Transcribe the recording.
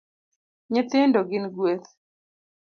Nyithindo gin gweth